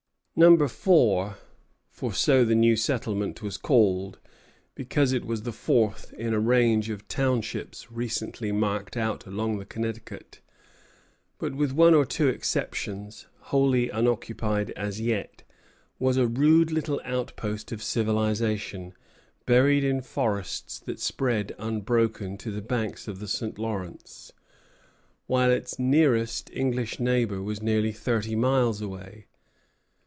Number Four for so the new settlement was called, because it was the fourth in a range of townships recently marked out along the Connecticut, but, with one or two exceptions, wholly unoccupied as yet was a rude little outpost of civilization, buried in forests that spread unbroken to the banks of the St. Lawrence, while its nearest English neighbor was nearly thirty miles away.